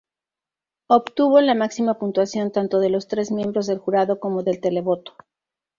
Obtuvo la máxima puntuación tanto de los tres miembros del jurado como del televoto.